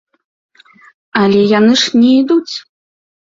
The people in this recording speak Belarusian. Але яны ж не ідуць.